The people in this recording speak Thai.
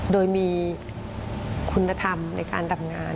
โดยมีคุณธรรมในการทำงาน